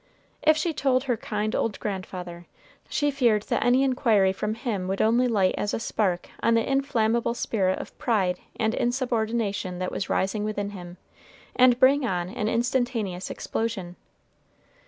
If she told her kind old grandfather, she feared that any inquiry from him would only light as a spark on that inflammable spirit of pride and insubordination that was rising within him, and bring on an instantaneous explosion.